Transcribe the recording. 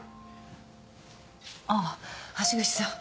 あっ橋口さん。